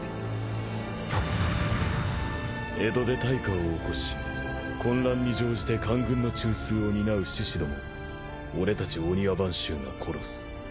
江戸で大火を起こし混乱に乗じて官軍の中枢を担う志士どもを俺たち御庭番衆が殺す。